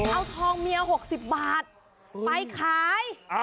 เอาทองเมียหกสิบบาทไปขาย